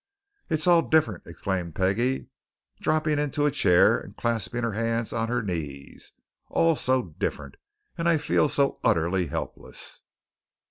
"It's all different!" exclaimed Peggie, dropping into a chair and clasping her hands on her knees. "All so different! And I feel so utterly helpless."